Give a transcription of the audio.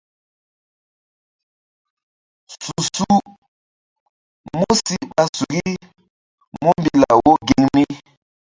Su-su músi ɓa suki múmbi law wo geŋ mi.